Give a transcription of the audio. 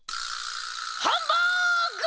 ハンバーグ！